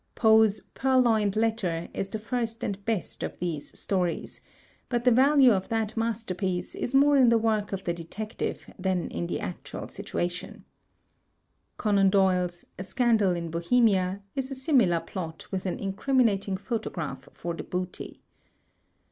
Poe's "Purloined Letter" is the first and best of these stories; but the value of that masterpiece is more in the work of the detective than in the actual situation. MURDER IN GENERAL 23 1 Conan Doyle's "A Scandal in Bohemia" is a similar plot with an incriminating photograph for the booty.